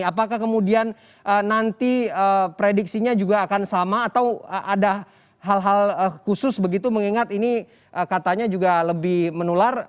apakah kemudian nanti prediksinya juga akan sama atau ada hal hal khusus begitu mengingat ini katanya juga lebih menular